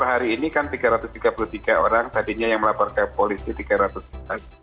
karena kalau per hari ini kan tiga ratus tiga puluh tiga orang tadinya yang melaporkan ke polisi tiga ratus orang